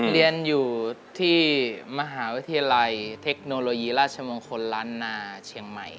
เรียนอยู่ที่มหาวิทยาลัยเทคโนโลยีราชมงคลล้านนาเชียงใหม่